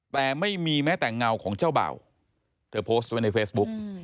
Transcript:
แต่ไม่มีแม้แต่เงาของเจ้าเบ่าเธอโพสต์ไว้ในเฟซบุ๊ก